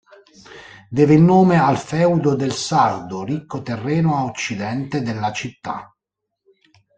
Deve il nome al feudo del Sardo, ricco terreno a occidente della città.